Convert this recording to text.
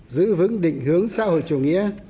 giữ vững định hướng xã hội chủ nghĩa